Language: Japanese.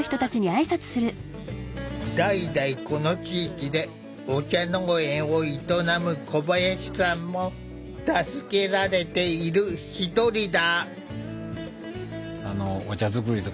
代々この地域でお茶農園を営む小林さんも助けられている一人だ。